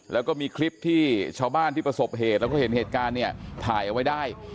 แล้วก็มีคลิปที่ชาวบ้านที่ประสบเหตุแล้วก็เห็นเหตุการณ์เนี่ยถ่ายเอาไว้ได้